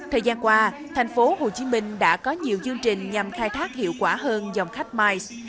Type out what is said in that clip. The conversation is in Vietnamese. thời gian qua tp hcm đã có nhiều dương trình nhằm khai thác hiệu quả hơn dòng khách mice